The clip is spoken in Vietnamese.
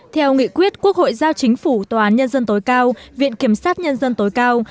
theo nghị quyết quốc hội giao chính phủ tòa án nhân dân tối cao viện kiểm sát nhân dân tối cao